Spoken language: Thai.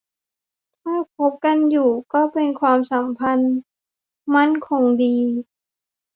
ถ้าคบกันอยู่ก็เป็นความสัมพันธ์มั่นคงดี